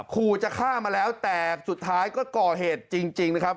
ขู่จะฆ่ามาแล้วแต่สุดท้ายก็ก่อเหตุจริงนะครับ